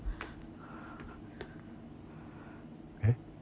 えっ？